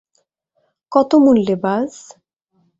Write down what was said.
কত মূল্যে, বায?